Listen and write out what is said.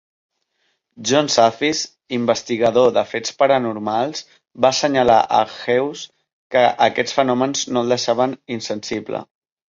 John Zaffis, investigador de fets paranormals, va assenyalar a Hawes que aquests fenòmens no el deixaven insensible.